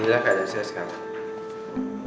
inilah keadaan saya sekarang